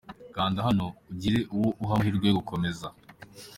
kanda hano ugire uwo uha amahirwe yo gukomeza!.